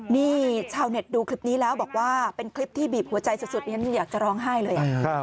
นี่ชาวเน็ตดูคลิปนี้แล้วบอกว่าเป็นคลิปที่บีบหัวใจสุดอยากจะร้องไห้เลย